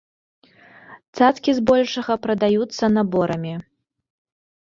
Цацкі збольшага прадаюцца наборамі.